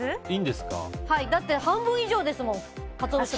だって半分以上ですもん。